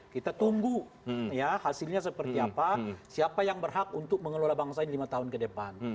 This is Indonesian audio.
kita tunggu hasilnya seperti apa siapa yang berhak untuk mengelola bangsa ini lima tahun ke depan